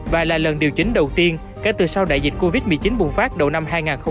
và là lần điều chính đầu tiên kể từ sau đại dịch covid một mươi chín bùng phát đầu năm hai nghìn hai mươi